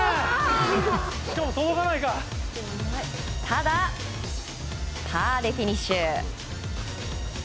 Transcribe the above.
ただ、パーでフィニッシュ。